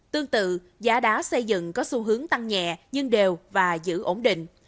tương tự giá đá xây dựng có xu hướng tăng nhẹ nhưng đều và giữ ổn định